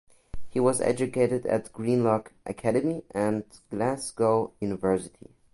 He was educated at Greenock Academy and Glasgow University.